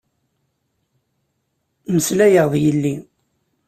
Meslayeɣ d yelli.